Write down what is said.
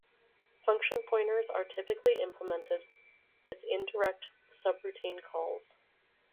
Function Pointers are typically implemented with indirect subroutine calls.